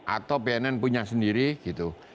atau bnn punya sendiri gitu